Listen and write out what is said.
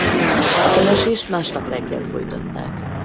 A keresést másnap reggel folytatták.